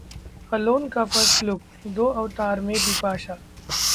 'alone' का first look: दो अवतार में बिपाशा